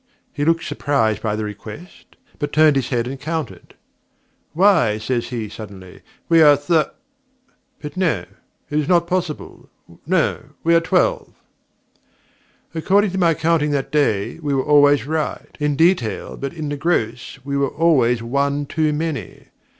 He looked surprised by the request, but turned his head and counted. 'Why,' says he, suddenly, 'We are Thirt ; but no, it's not possible. No. We are twelve.' According to my counting that day, we were always right in detail, but in the gross we were always one too many.